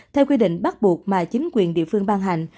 theo quy định bắt buộc mà chính quyền địa phương ban hành